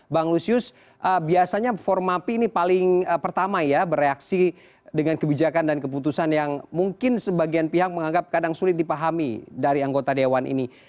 bang lusius biasanya formapi ini paling pertama ya bereaksi dengan kebijakan dan keputusan yang mungkin sebagian pihak menganggap kadang sulit dipahami dari anggota dewan ini